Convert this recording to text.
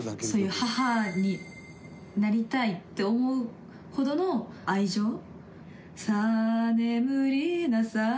そういう母になりたいって思うほどの愛情。